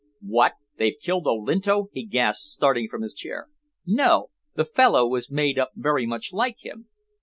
"What! They've killed Olinto?" he gasped, starting from his chair. "No. The fellow was made up very much like him.